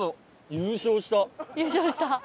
優勝した。